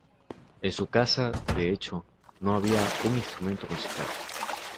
En su casa, de hecho, no había un instrumento musical.